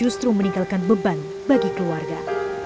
justru meninggalkan beban bagi keluarga